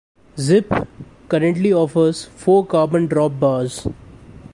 Zipp currently offers four carbon drop bars.